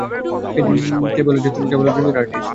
কে বলে যে তুমি কেবল একজন জুনিয়র আর্টিস্ট?